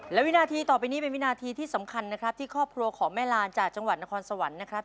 และวินาทีต่อไปนี้เป็นวินาทีที่สำคัญนะครับที่ครอบครัวของแม่ลานจากจังหวัดนครสวรรค์นะครับ